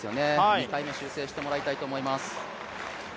２回目、修正してもらいたいと思います。